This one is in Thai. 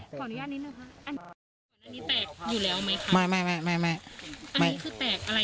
ของนี้อันนี้นะฮะอันนี้แตกอยู่แล้วไหมคะไม่ไม่ไม่ไม่ไม่